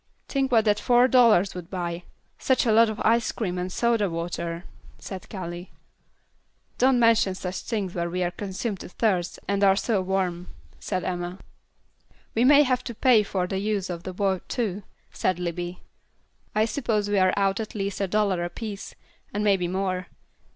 Think what that four dollars would buy: such a lot of ice cream and soda water," said Callie. "Don't mention such things when we are consumed with thirst, and are so warm," said Emma. "We may have to pay for the use of the boat, too," said Libbie. "I suppose we are out at least a dollar apiece, and maybe more.